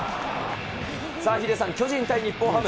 さあヒデさん、巨人対日本ハム。